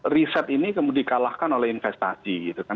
riset ini kemudian di kalahkan oleh investasi gitu kan